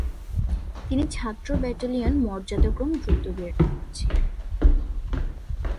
তিনি ছাত্র ব্যাটেলিয়ন মর্যাদাক্রম দ্রুত বেড়ে উঠছিলেন।